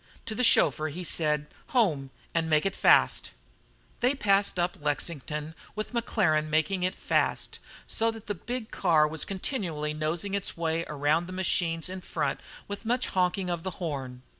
To the chauffeur he said: "Home, and make it fast." They passed up Lexington with Maclaren "making it fast," so that the big car was continually nosing its way around the machines in front with much honking of the horn.